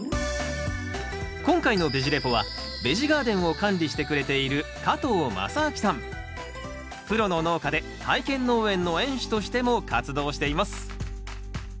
今回のベジ・レポはベジガーデンを管理してくれているプロの農家で体験農園の園主としても活動しています。